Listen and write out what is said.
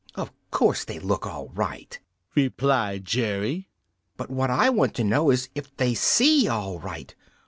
"Of course they look all right," replied Jerry, "but what I want to know is if they see all right.